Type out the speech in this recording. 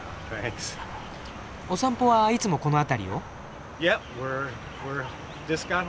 お散歩はいつもこの辺りを？